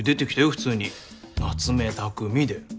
普通に夏目匠で。